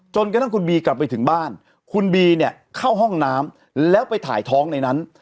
จนกระทั่งคุณบีกลับไปถึงบ้านคุณบีเนี่ยเข้าห้องน้ำแล้วไปถ่ายท้องในนั้น